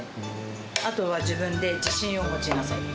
あとは自分で自信を持ちなさい。